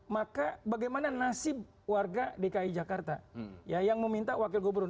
maka bagaimana nasib warga dki jakarta yang meminta wakil gubernur